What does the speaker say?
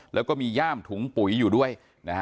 แล้วก็มีย่ามถุงปุ๋ยอยู่ด้วยนะฮะ